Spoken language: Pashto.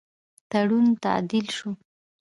تړون تعدیل سو.